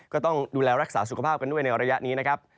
ก็ต้องดูแลรักษาสุขภาพกันด้วยในระยะนี้นะครับ